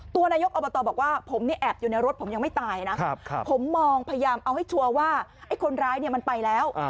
นายกอบตบอกว่าผมเนี่ยแอบอยู่ในรถผมยังไม่ตายนะผมมองพยายามเอาให้ชัวร์ว่าไอ้คนร้ายเนี่ยมันไปแล้ว